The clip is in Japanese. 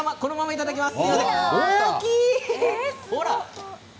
いただきます。